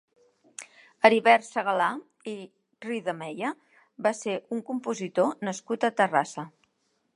Heribert Segalà i Ridameya va ser un compositor nascut a Terrassa.